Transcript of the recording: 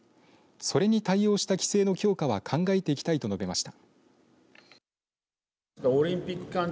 それに対応した規制の強化は考えていきたいと述べました。